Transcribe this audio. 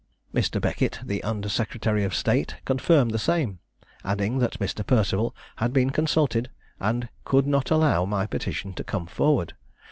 "Mr. Beckett, the under secretary of state, confirmed the same, adding that Mr. Perceval had been consulted, and could not allow my petition to come forward.